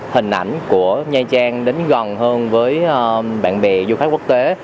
hình ảnh của nha trang đến gần hơn với bạn bè du khách quốc tế